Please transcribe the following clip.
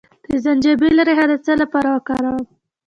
د زنجبیل ریښه د څه لپاره وکاروم؟